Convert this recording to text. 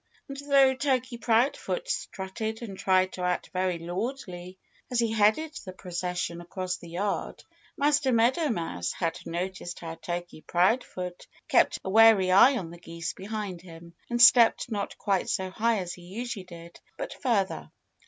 And though Turkey Proudfoot strutted and tried to act very lordly as he headed the procession across the yard, Master Meadow Mouse had noticed how Turkey Proudfoot kept a wary eye on the geese behind him, and stepped not quite so high as he usually did, but further.